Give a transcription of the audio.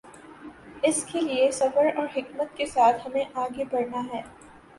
اس کے لیے صبر اور حکمت کے ساتھ ہمیں آگے بڑھنا ہے۔